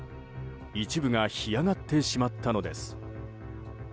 一部が干上がってしまったのです。